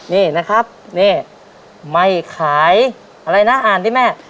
นี่นะครับนี่ไม่ขายอะไรนะอ่านที่แม่